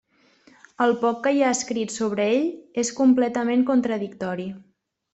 El poc que hi ha escrit sobre ell és completament contradictori.